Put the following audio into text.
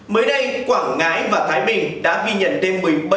mới đây quảng ngãi và thái bình đã ghi nhận thêm một mươi bảy ca dương tính với sars cov hai